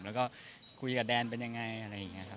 แล้วก็คุยกับแดนเป็นยังไงอะไรอย่างนี้ครับ